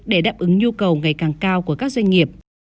để đáp ứng nhu cầu ngày càng cao của các doanh nghiệp